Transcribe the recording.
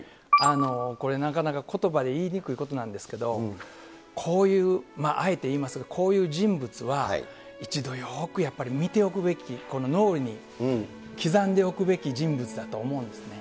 これなかなかことばで言いにくいことなんですけど、こういうあえて言いますが、こういう人物は、一度よーくやっぱり見ておくべき、この脳裏に刻んでおくべき人物だと思うんですね。